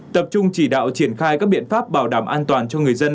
tập trung chỉ đạo triển khai các biện pháp bảo đảm an toàn cho người dân